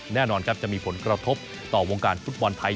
แน่นอนครับจะมีผลกระทบต่อวงการฟุตบอลไทย